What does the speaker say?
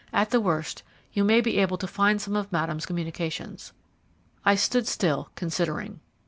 At the worst you may be able to find some of Madame's communications." I stood still, considering.